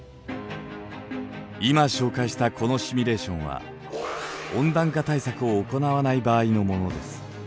今紹介したこのシミュレーションは温暖化対策を行わない場合のものです。